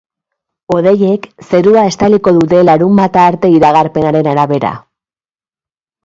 Hodeiek zerua estaliko dute larunbata arte iragarpenaren arabera.